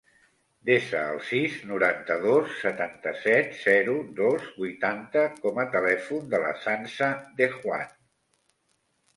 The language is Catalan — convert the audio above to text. Desa el sis, noranta-dos, setanta-set, zero, dos, vuitanta com a telèfon de la Sança De Juan.